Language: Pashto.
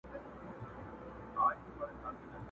o اسي پوهېږي، خپل ئې دوږخ٫